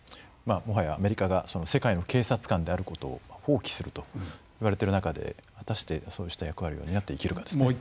もはや、アメリカが世界の警察官であることを放棄するといわれている中で果たして、そうした役割を担っていけるかですね。